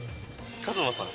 和真さん。